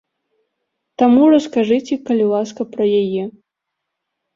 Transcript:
Таму раскажыце, калі ласка, пра яе.